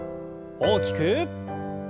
大きく。